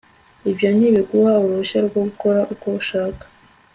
Ibyo ntibiguha uruhushya rwo gukora uko ushaka